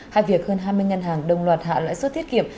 hai việc hơn hai mươi ngân hàng đồng loạt hạ loại suất thiết kiệm